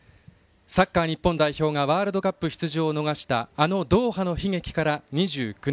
サッカー日本代表がワールドカップ出場を逃したあのドーハの悲劇から２９年。